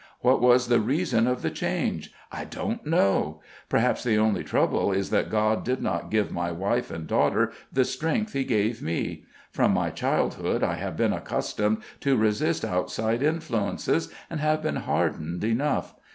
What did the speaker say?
What was the reason of the change? I don't know. Perhaps the only trouble is that God did not give my wife and daughter the strength He gave me. From my childhood I have been accustomed to resist outside influences and have been hardened enough.